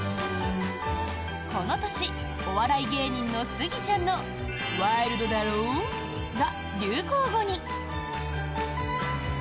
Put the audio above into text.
この年お笑い芸人のスギちゃんの「ワイルドだろぉ」が流行語に。